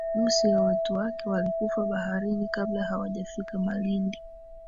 Nusu ya watu wake walikufa baharini kabla hawajafika Malindi